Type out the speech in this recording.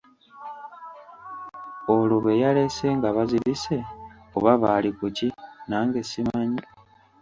Olwo be yalese nga bazirirse oba baali ku ki, nange simanyi.